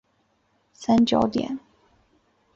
三角点。